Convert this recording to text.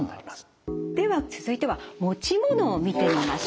では続いては持ち物を見てみましょう。